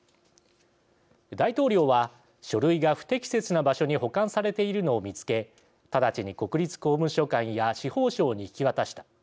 大統領は書類が不適切な場所に保管されているのを見つけ直ちに国立公文書館や司法省に引き渡した。